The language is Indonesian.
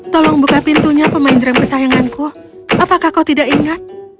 tolong buka pintunya pemain drum kesayanganku apakah kau tidak ingat